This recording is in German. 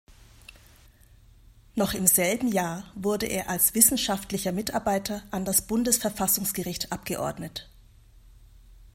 Noch im selben Jahr wurde er als wissenschaftlicher Mitarbeiter an das Bundesverfassungsgericht abgeordnet.